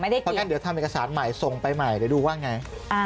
เพราะงั้นเดี๋ยวทำเอกสารใหม่ส่งไปใหม่เดี๋ยวดูว่าไง